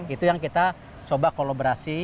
itu yang kita coba kolaborasi